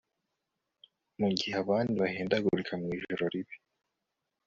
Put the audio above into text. mugihe abandi bahindagurika mu ijoro ribi